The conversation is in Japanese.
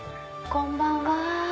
こんばんは。